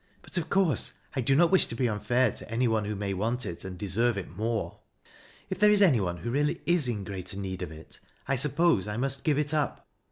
" But of course I do not wish to be unfair to any one who may want it, and driserve it more. If there is any one who really is in greater need of it, I suppose I must give it up."